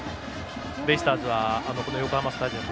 ベイスターズは横浜スタジアム